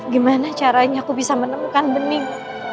gimana caranya aku bisa menemukan bening